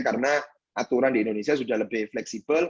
karena aturan di indonesia sudah lebih fleksibel